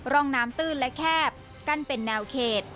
ร่องน้ำตื้นและแคบกั้นเป็นแนวเขต